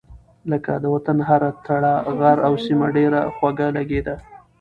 لکه : د وطن هره تړه غر او سيمه ډېره خوږه لګېده.